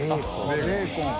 ベーコン。